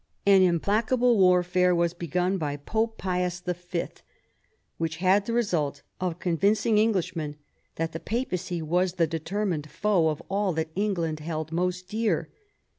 An implacable warfare was begun by Pope Pius V., which had the result of convincing Englishmen that the Papacy was the determined foe of all that England held most dear.